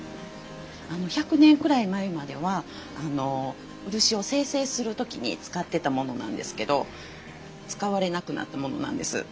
１００年くらい前までは漆を精製する時に使ってたものなんですけど使われなくなったものなんです。